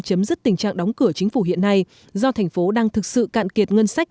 chấm dứt tình trạng đóng cửa chính phủ hiện nay do thành phố đang thực sự cạn kiệt ngân sách